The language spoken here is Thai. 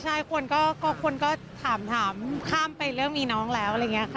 ใช่คนก็ถามข้ามไปเรื่องมีน้องแล้วอะไรอย่างนี้ค่ะ